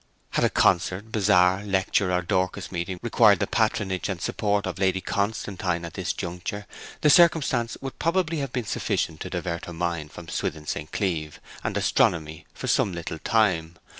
Had a concert, bazaar, lecture, or Dorcas meeting required the patronage and support of Lady Constantine at this juncture, the circumstance would probably have been sufficient to divert her mind from Swithin St. Cleeve and astronomy for some little time.